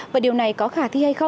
và điều này có khả thi